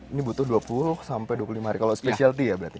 ini butuh dua puluh sampai dua puluh lima hari kalau specialty ya berarti